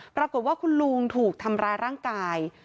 ปรากฏว่าคุณลุงถูกทำร้ายร่างกาย